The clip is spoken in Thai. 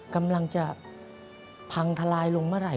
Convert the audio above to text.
กำลังจะพังทลายลงเมื่อไหร่